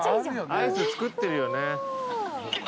アイス作ってるよね。